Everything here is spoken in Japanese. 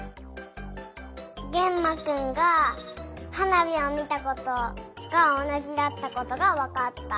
げんまくんがはなびをみたことがおなじだったことがわかった。